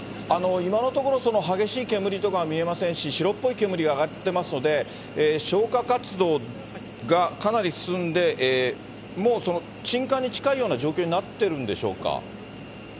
今のところ、激しい煙とかは見えませんし、白っぽい煙が上がってますので、消火活動がかなり進んで、もう鎮火に近いような状況になってるんでしょうか？